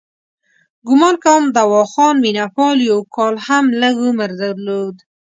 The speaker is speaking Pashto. ګومان کوم دواخان مینه پال یو کال هم لږ عمر درلود.